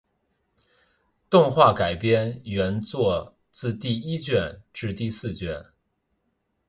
动画改编原作自第一卷至第四卷。